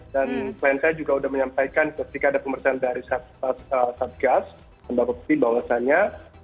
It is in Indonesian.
dan klien saya juga sudah menyampaikan ketika ada pemerintahan dari satgas mbak bukti bahwasannya